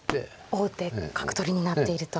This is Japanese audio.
王手角取りになっていると。